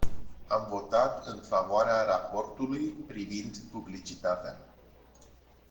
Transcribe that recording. Am votat în favoarea raportului privind publicitatea.